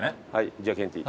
じゃあケンティー。